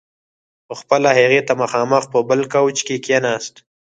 په خپله هغې ته مخامخ په بل کاوچ کې کښېناست.